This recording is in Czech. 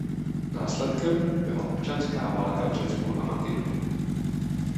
Následkem byla občanská válka v Řecku a Makedonii.